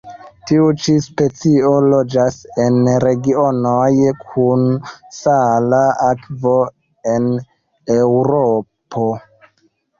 Tiu ĉi specio loĝas en regionoj kun sala akvo en Eŭropo.